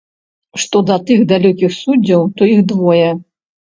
Што да тых, далёкіх, суддзяў, то іх двое.